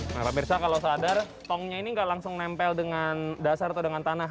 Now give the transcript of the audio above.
nah pak mirsa kalau sadar tongnya ini nggak langsung nempel dengan dasar atau dengan tanah